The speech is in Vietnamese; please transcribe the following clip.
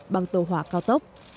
bằng tổ hỏa cao tốc